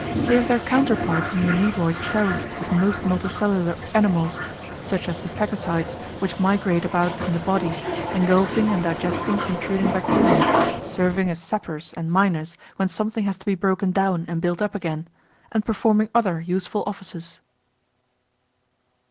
They have their counterparts in the amoeboid cells of most multicellular animals, such as the phagocytes which migrate about in the body, engulfing and digesting intruding bacteria, serving as sappers and miners when something has to be broken down and built up again, and performing other useful offices.